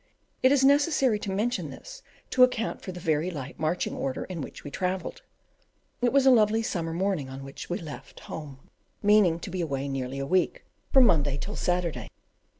It is necessary to mention this, to account for the very light marching order in which we travelled. It was a lovely summer morning on which we left home, meaning to be away nearly a week, from Monday till Saturday.